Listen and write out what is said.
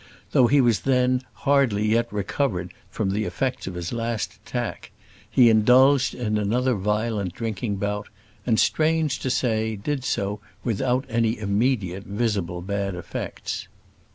Though he was than hardly yet recovered from the effects of his last attack, he indulged in another violent drinking bout; and, strange to say, did so without any immediate visible bad effects.